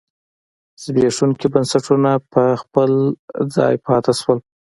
زبېښونکي بنسټونه په خپل ځای پاتې شول.